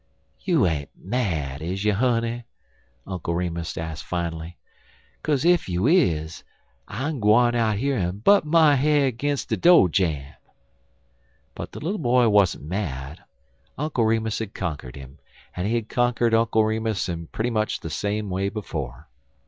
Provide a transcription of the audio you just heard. "You ain't mad, is you, honey?" Uncle Remus asked finally, "kaze ef you is, I'm gwine out yere en butt my head 'gin de do' jam'." But the little boy wasn't mad. Uncle Remus had conquered him and he had conquered Uncle Remus in pretty much the same way before.